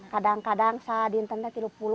kadang kadang saya diantara tiga puluh